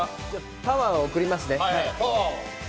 パワーを送りますね。